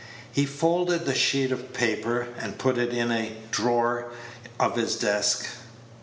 He folded the sheet of paper, and put it in a drawer of his desk.